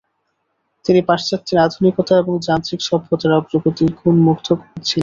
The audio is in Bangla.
তিনি পাশ্চাত্যের আধুনিকতা এবং যান্ত্রিক সভ্যতার অগ্রগতির গুণমুগ্ধ ছিলেন।